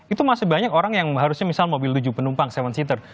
itu masih banyak orang yang harusnya misal mobil tujuh penumpang tujuh